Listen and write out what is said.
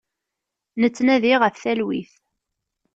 Nettnadi ɣef talwit.